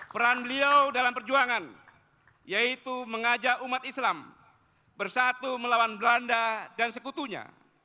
peran beliau dalam perjuangan yaitu mengajak umat islam bersatu melawan belanda dan sekutunya